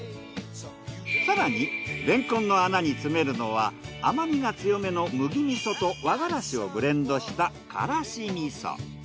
更にレンコンの穴に詰めるのは甘みが強めの麦味噌と和がらしをブレンドしたからし味噌。